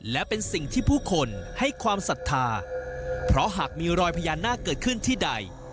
และเป็นสิ่งที่ผู้คนให้ความศรัทธาเพราะหากมีรอยพญานาคเกิดขึ้นที่ใด